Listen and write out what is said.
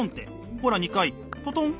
ほら２回トトン。